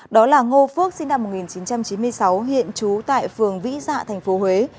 đó là ngô phước sinh năm một nghìn chín trăm chín mươi sáu hiện trú tại phường vĩ dạ tp huế